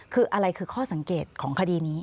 คืออะไรคือข้อสังเกตของคดีนี้